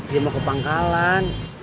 dia mau ke pangkalan